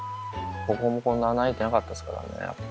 ここもこんな穴開いてなかったっすからね。